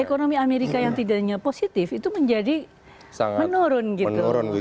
ekonomi amerika yang tidaknya positif itu menjadi menurun gitu